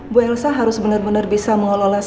bu elsa harus benar benar bisa mengelola stresnya ya